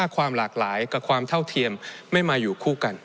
กับความเท่าเทียมไม่มาอยู่คู่กัน